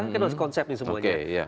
kan harus konsep nih semuanya